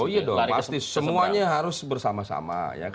oh iya dong pasti semuanya harus bersama sama